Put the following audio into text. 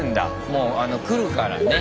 もう来るからね